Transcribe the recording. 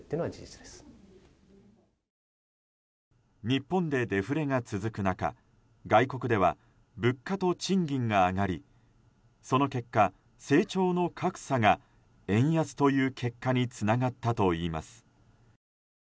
日本でデフレが続く中外国では、物価と賃金が上がりその結果、成長の格差が円安という結果につながったといいます。